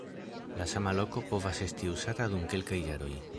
La sama loko povas esti uzata dum kelkaj jaroj.